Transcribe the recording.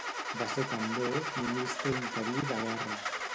Va ser també ministre interí de Guerra.